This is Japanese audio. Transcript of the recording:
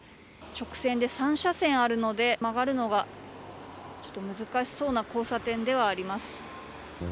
直線で、３車線あるので曲がるのが難しそうな交差点ではあります。